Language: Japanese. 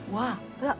うわっ！